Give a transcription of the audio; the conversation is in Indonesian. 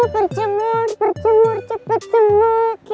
percebur percebur cepet cemur keke